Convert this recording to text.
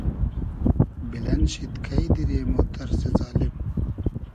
بیلئن شید کݷ دیرې مۉ تئرسی زالیم